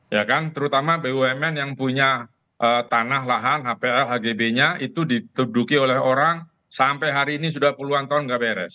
ya kan terutama bumn yang punya tanah lahan hpl hgb nya itu dituduki oleh orang sampai hari ini sudah puluhan tahun nggak beres